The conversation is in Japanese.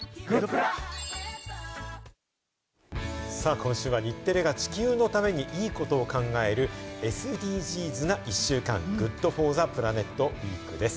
今週は日テレが地球のためにいいことを考えるＳＤＧｓな１週間、ＧｏｏｄＦｏｒＴｈｅＰｌａｎｅｔウィークです。